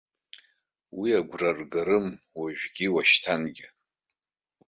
Уи агәра ргарым уажәгьы уашьҭангьы.